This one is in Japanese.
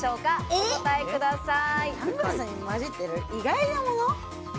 お答えください。